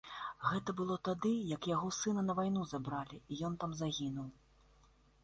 Гэта было тады, як яго сына на вайну забралі і ён там загінуў.